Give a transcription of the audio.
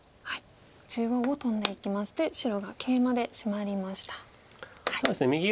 中央をトンでいきまして白がケイマでシマりました。